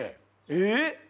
えっ？